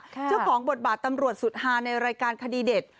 เจ้าของบทบาทตำรวจสุดฮาในรายการคดีเด็ด